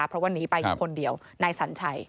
เพราะว่านี้ไปคนเดียวนายสัญชัย